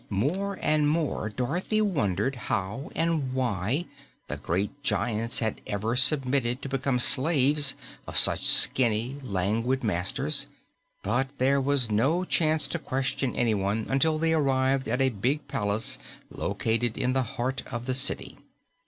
More and more, Dorothy wondered how and why the great giants had ever submitted to become slaves of such skinny, languid masters, but there was no chance to question anyone until they arrived at a big palace located in the heart of the city.